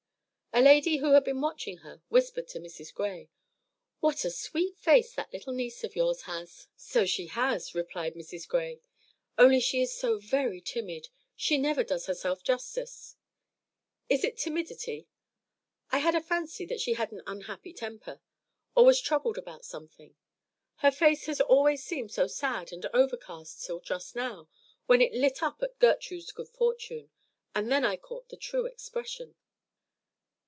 A lady who had been watching her whispered to Mrs. Gray, "What a sweet face that little niece of yours has!" "So she has," replied Mrs. Gray; "only she is so very timid. She never does herself justice." "Is it timidity? I had a fancy that she had an unhappy temper, or was troubled about something. Her face has always seemed so sad and overcast till just now, when it lit up at Gertrude's good fortune, and then I caught the true expression."